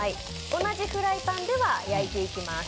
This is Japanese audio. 同じフライパンでは焼いていきます。